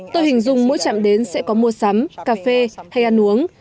tôi hình dung mỗi chạm đến sẽ có mua sắm cà phê hay ăn uống